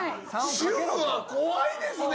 主婦は怖いですね！